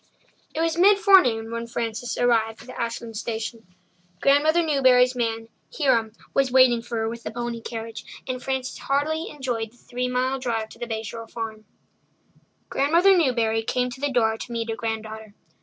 It was mid forenoon when Frances arrived at Ashland station. Grandmother Newbury's man, Hiram, was waiting for her with the pony carriage, and Frances heartily enjoyed the three mile drive to the Bay Shore Farm. Grandmother Newbury came to the door to meet her granddaughter.